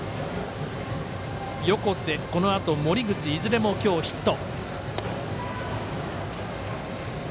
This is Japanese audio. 横手、このあと森口いずれも今日ヒット。